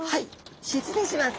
失礼します。